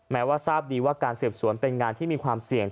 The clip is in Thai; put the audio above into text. แม้ว่าทราบดีว่าการสืบสวนเป็นงานที่มีความเสี่ยง